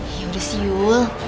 ya udah sih yul